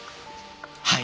はい！